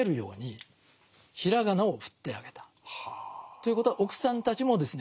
ということは奥さんたちもですね